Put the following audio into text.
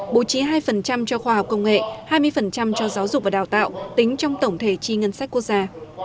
bố trí hai cho khoa học công nghệ hai mươi cho giáo dục và đào tạo tính trong tổng thể chi ngân sách quốc gia